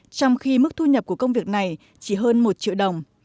trong khi mức thu nhập của công việc này chỉ hơn một triệu đồng